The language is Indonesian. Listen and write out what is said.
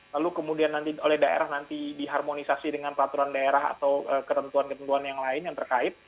lalu kemudian nanti oleh daerah nanti diharmonisasi dengan peraturan daerah atau ketentuan ketentuan yang lain yang terkait